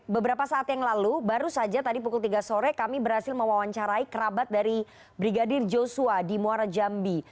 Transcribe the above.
beberapa saat yang lalu baru saja tadi pukul tiga sore kami berhasil mewawancarai kerabat dari brigadir joshua di muara jambi